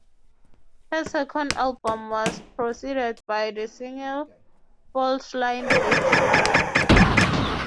Her second album was preceded by the single "Fault Line (Late July)".